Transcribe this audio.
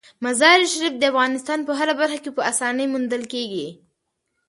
مزارشریف د افغانستان په هره برخه کې په اسانۍ موندل کېږي.